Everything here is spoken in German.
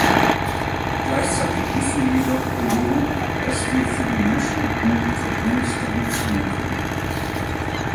Gleichzeitig müssen wir jedoch überlegen, was wir für die Menschen in Turkmenistan tun können.